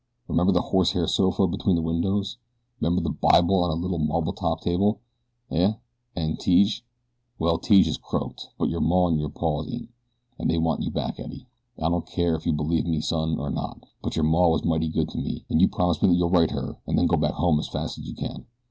'Member the horsehair sofa between the windows? 'Member the Bible on the little marble topped table? Eh? An' Tige? Well, Tige's croaked; but your maw an' your paw ain't an' they want you back, Eddie. I don't care ef you believe me, son, or not; but your maw was mighty good to me, an' you promise me you'll write her an' then go back home as fast as you can.